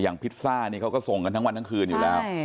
พิซซ่านี่เขาก็ส่งกันทั้งวันทั้งคืนอยู่แล้ว